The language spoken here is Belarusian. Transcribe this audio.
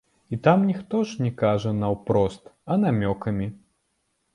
І там ніхто ж не кажа наўпрост, а намёкамі.